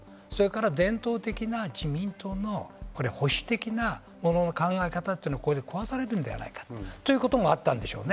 伝統的な自民党の保守的なものの考え方というのが壊されるのではないかということもあったんでしょうね。